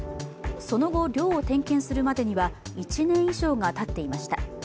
その後寮を点検するまでには１年以上がたっていました。